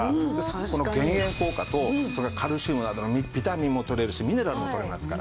この減塩効果とカルシウムなどのビタミンも取れるしミネラルも取れますから。